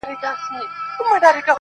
زموږ كوڅې ته به حتماً وي غله راغلي -